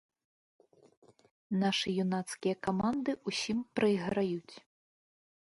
Нашы юнацкія каманды ўсім прайграюць.